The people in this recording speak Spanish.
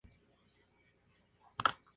Pertenece al Grupo Anaya.